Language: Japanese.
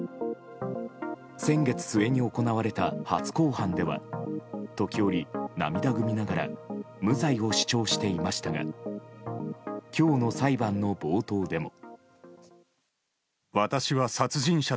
先月末に行われた初公判では時折、涙ぐみながら無罪を主張していましたが今日の裁判の冒頭でも。